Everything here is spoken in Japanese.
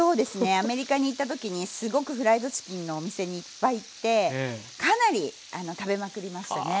アメリカに行った時にすごくフライドチキンのお店にいっぱい行ってかなり食べまくりましたね。